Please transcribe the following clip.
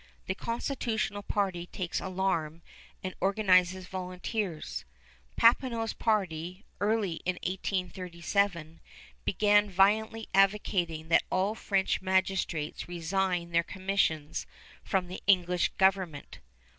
The constitutional party takes alarm and organizes volunteers. Papineau's party, early in 1837, begin violently advocating that all French magistrates resign their commissions from the English government.